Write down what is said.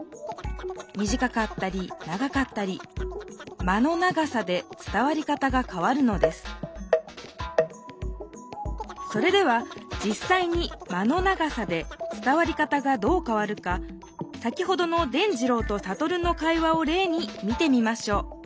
みじかかったり長かったり「間」の長さで伝わり方がかわるのですそれではじっさいに「間」の長さで伝わり方がどうかわるか先ほどの伝じろうとサトルの会話をれいに見てみましょう。